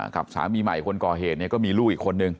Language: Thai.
สามีใหม่คนก่อเหตุก็มีลูกอีกคนนึง